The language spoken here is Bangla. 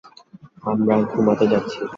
আমরা ঘুমাতে যাচ্ছি।